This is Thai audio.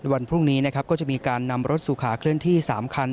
วันพรุ่งนี้นะครับก็จะมีการนำรถสุขาเคลื่อนที่๓คัน